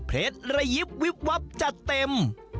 ระยิบวิบวับจัดเต็ม